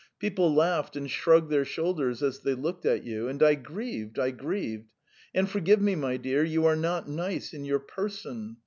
People laughed and shrugged their shoulders as they looked at you, and I grieved, I grieved. ... And forgive me, my dear; you are not nice in your person!